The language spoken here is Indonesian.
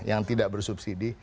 yang tidak bersubsidi